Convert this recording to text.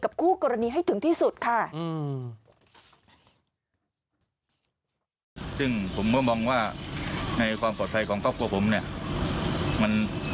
คู่กรณีให้ถึงที่สุดค่ะ